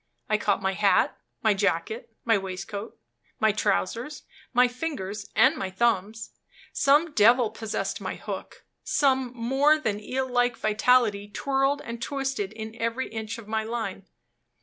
I caught my hat, my jacket, my waistcoat, my trousers, my fingers, and my thumbs some devil possessed my hook; some more than eel like vitality twirled and twisted in every inch of my line.